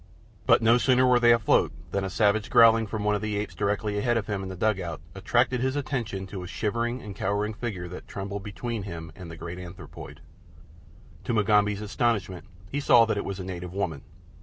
But no sooner were they afloat than a savage growling from one of the apes directly ahead of him in the dugout attracted his attention to a shivering and cowering figure that trembled between him and the great anthropoid. To Mugambi's astonishment he saw that it was a native woman.